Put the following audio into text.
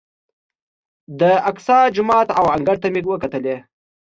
د اقصی جومات او انګړ ته مې وکتلې.